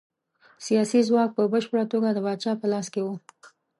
سیاسي ځواک په بشپړه توګه د پاچا په لاس کې و.